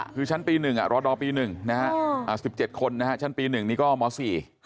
คือชั้นปีหนึ่งรอดอปีหนึ่ง๑๗คนชั้นปีหนึ่งนี่ก็หมอสี่